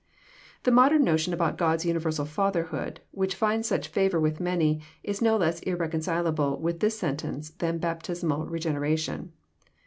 The modem notion about God's universal Fatherhood, which finds such favour with many, is no less irreconcilable with this sentence than baptismal regeneration.